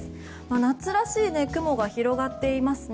夏らしい雲が広がっていますね。